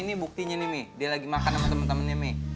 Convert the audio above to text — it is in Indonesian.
ini buktinya nih dia lagi makan sama temen temennya nih